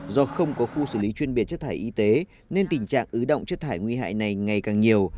do không có khu xử lý chuyên biệt chất thải y tế nên tình trạng ứ động chất thải nguy hại này ngày càng nhiều